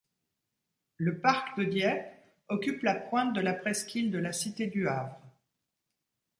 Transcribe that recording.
Le parc de Dieppe occupe la pointe de la presqu'île de la Cité-du-Havre.